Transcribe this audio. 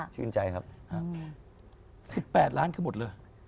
ชื่นใจครับ๑๘ล้านคือหมดเลย